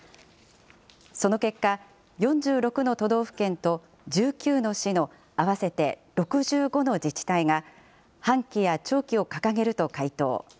その結果、４６の都道府県と１９の市の合わせて６５の自治体が、半旗や弔旗を掲げると回答。